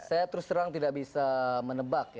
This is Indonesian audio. saya terus terang tidak bisa menebak ya